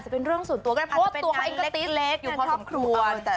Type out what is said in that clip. เพราะตัวเขาอีกก็ติ๊สอยู่เพราะสมครวญ